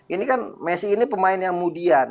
ini kan messi ini pemain yang mudian